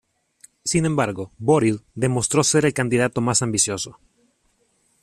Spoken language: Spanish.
Sin embargo, Boril demostró ser el candidato más ambicioso.